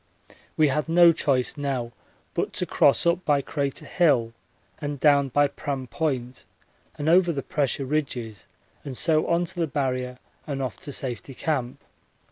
We had no choice now but to cross up by Crater Hill and down by Pram Point and over the pressure ridges and so on to the Barrier and off to Safety Camp.